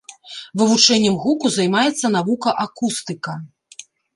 Вывучэннем гуку займаецца навука акустыка.